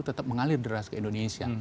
tetap mengalir deras ke indonesia